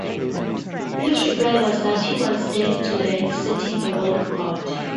His reply was that he was there to learn, setting a world record.